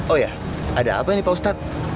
oh ya ada apa nih pak ustadz